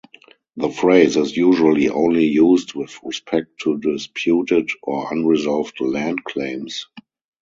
The phrase is usually only used with respect to disputed or unresolved land claims.